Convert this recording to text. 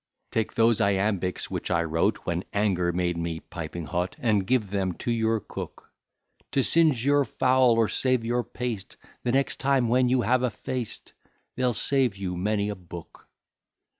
Take those iambics which I wrote, When anger made me piping hot, And give them to your cook, To singe your fowl, or save your paste The next time when you have a feast; They'll save you many a book.